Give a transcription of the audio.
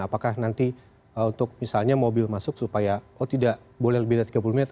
apakah nanti untuk misalnya mobil masuk supaya oh tidak boleh lebih dari tiga puluh menit